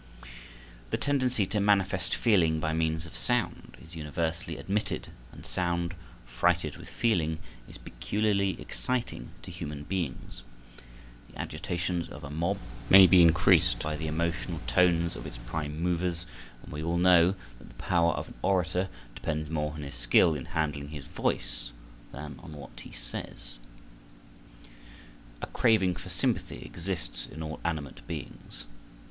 The tendency to manifest feeling by means of sound is universally admitted, and sound, freighted with feeling, is peculiarly exciting to human beings. The agitations of a mob may be increased by the emotional tones of its prime movers, and we all know that the power of an orator depends more on his skill in handling his voice than on what he says. A craving for sympathy exists in all animate beings.